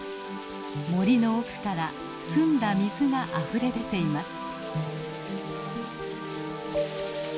森の奥から澄んだ水があふれ出ています。